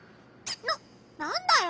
ななんだよ？